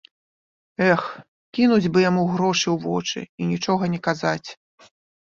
Эх, кінуць бы яму грошы ў вочы і нічога не казаць.